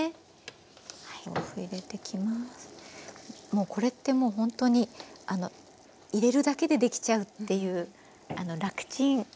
もうこれってもうほんとに入れるだけで出来ちゃうっていうラクちん